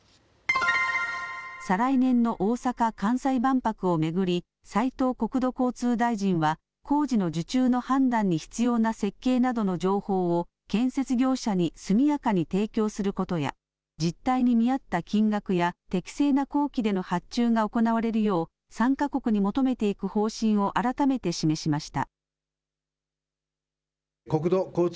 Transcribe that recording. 再来年の大阪・関西万博を巡り斉藤国土交通大臣は工事の受注の判断に必要な設計などの情報を建設業者に速やかに提供することや実態に見合った金額や適正な工期での発注が行われるよう参加国に求めていく方針を改めて示しました。